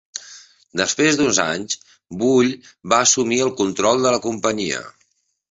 Després d'uns anys, Bull va assumir el control de la companyia.